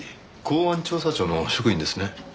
公安調査庁の職員ですね。